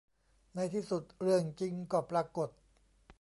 ในที่สุดเรื่องจริงก็ปรากฏ